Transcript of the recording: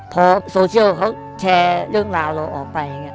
พอโซเชียลเขาแชร์เรื่องราวเราออกไป